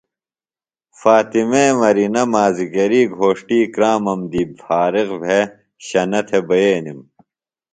فاطمے مرینہ مازِگری گھوݜٹی کرامم دی فارغ بھےۡ شنہ تھےۡ بئینِم۔